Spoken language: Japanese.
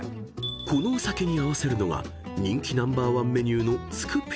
［このお酒に合わせるのが人気ナンバーワンメニューの］